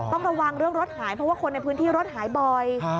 ต้องระวังเรื่องรถหายเพราะว่าคนในพื้นที่รถหายบ่อย